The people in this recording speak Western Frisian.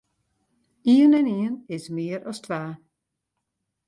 Ien en ien is mear as twa.